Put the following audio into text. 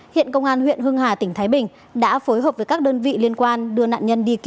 hiện công an huyện hưng hà tỉnh thái bình đã phối hợp với các đơn vị liên quan